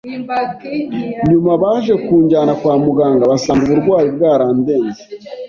nyuma baje kujyana kwa muganga basanga uburwayi bwarandenze